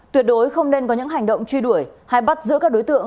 tuyệt đối không nên có những hành động truy đuổi hay bắt giữ các đối tượng